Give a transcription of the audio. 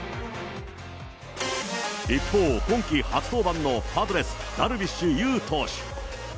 一方、今季初登板のパドレス、ダルビッシュ有投手。